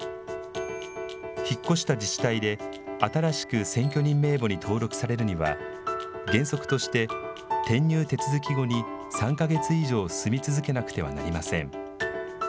引っ越した自治体で新しく選挙人名簿に登録されるには、原則として、転入手続き後に３か月以上、住み続けなくてはいけません。